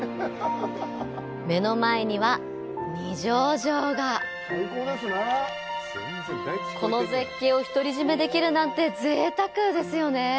目の前には二条城がこの絶景を独り占めできるなんてぜいたくですよね。